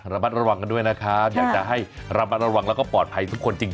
ระมัดระวังกันด้วยนะครับอยากจะให้ระมัดระวังแล้วก็ปลอดภัยทุกคนจริง